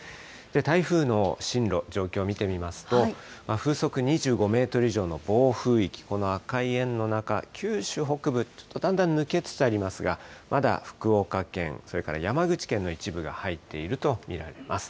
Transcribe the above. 台風の進路、状況見てみますと、風速２５メートル以上の暴風域、この赤い円の中、九州北部、ちょっとだんだん抜けつつありますが、まだ福岡県、それから山口県の一部が入っていると見られます。